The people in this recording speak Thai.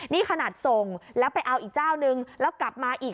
นี่ขนาดส่งแล้วไปเอาอีกเจ้านึงแล้วกลับมาอีก